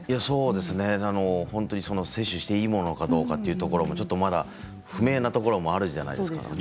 そうですね接種していいものかどうかというところもまだちょっと不明なところもあるじゃないですか。